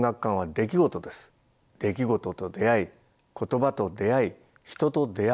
出来事と出会い言葉と出会い人と出会う。